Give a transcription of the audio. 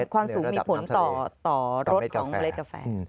ความสูงมีผลต่อรถของเมล็ดกาแฟ